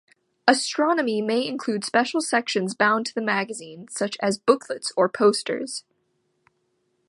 "Astronomy" may include special sections bound into the magazine, such as booklets or posters.